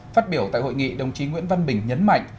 phát biểu tại hội nghị đồng chí nguyễn văn bình nhấn mạnh